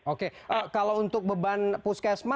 oke kalau untuk beban puskesma